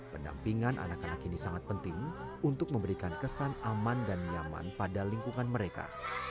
pendampingan anak anak ini sangat penting untuk memberikan kesan aman dan nyaman pada lingkungan mereka